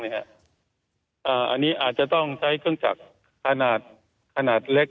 อันนี้อาจจะต้องใช้เครื่องจักรขนาดเล็ก